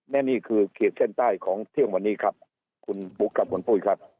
และนี่คือเขตเส้นใต้ของเที่ยงวันนี้ครับคุณบุ๊คครับคุณปุ้ยครับ